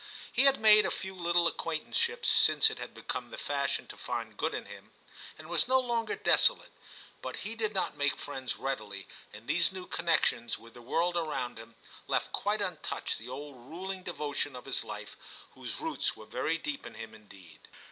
He had made a few little acquaint anceships since it had become the fashion to find good in him, and was no longer desolate, but he did not make friends readily, and these new connections with the world around him left quite untouched the old ruling devotion of his life whose roots were very deep in him indeed.